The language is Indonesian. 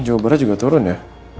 jawa barat juga turun ya